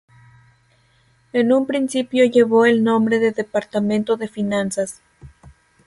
En un principio llevó el nombre de "Departamento de finanzas".